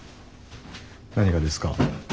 何がですか？